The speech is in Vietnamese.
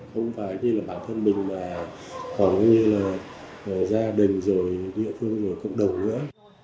không phải như là bản thân mình mà còn như là gia đình rồi địa phương rồi cộng đồng nữa